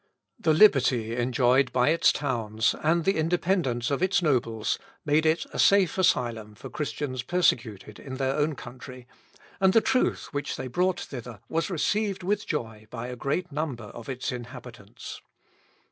The liberty enjoyed by its towns, and the independence of its nobles, made it a safe asylum for Christians persecuted in their own country, and the truth which they brought thither was received with joy by a great number of its inhabitants.